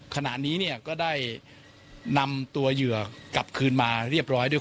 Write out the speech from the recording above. ขณะนี้เนี่ยก็ได้นำตัวเหยื่อกลับคืนมาเรียบร้อยด้วย